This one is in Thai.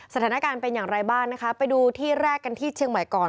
สถานการณ์เป็นอย่างไรบ้างนะคะไปดูที่แรกกันที่เชียงใหม่ก่อน